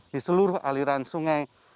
di seluruh aliran sungai